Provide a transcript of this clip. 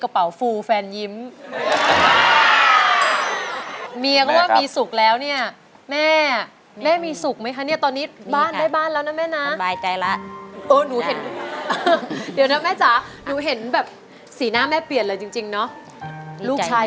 อยากจะประโยชน์สู่กล้องให้กล้องฟ้าว่าตอนนี้คุณชะกันเป็นไทยแล้ว